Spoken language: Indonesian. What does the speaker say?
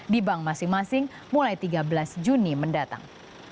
di bank masing masing mulai tiga belas juni mendatang